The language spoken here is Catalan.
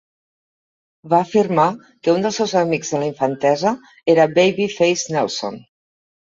Va afirmar que un dels seus amics de la infantesa era Baby Face Nelson.